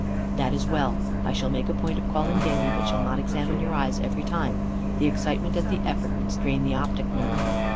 "That is well. I shall make a point of calling daily, but shall not examine your eyes every time. The excitement and the effort would strain the optic nerve.